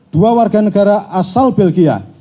dua warga negara asal belgia